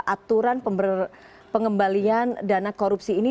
aturan pengembalian dana korupsi ini